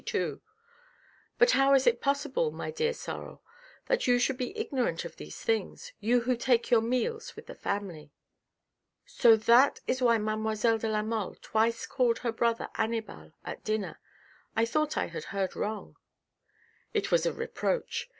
But how is it possible, my dear Sorel, that you should be ignorant of these things — you who take your meals with the family." " So that is why mademoiselle de la Mole twice called her brother Annibal at dinner. I thought I had heard wrong." " It was a reproach.